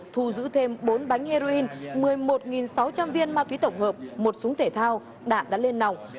thu giữ thêm bốn bánh heroin một mươi một sáu trăm linh viên ma túy tổng hợp một súng thể thao đạn đã lên nòng